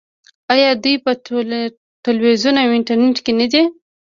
آیا دوی په تلویزیون او انټرنیټ کې نه دي؟